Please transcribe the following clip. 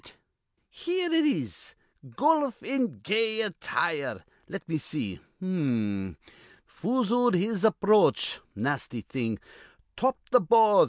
Here it is: 'Goluf in gay attire.' Let me see. H'm. 'Foozled his aproach,' nasty thing. 'Topped th' ball.'